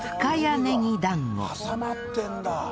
挟まってるんだ！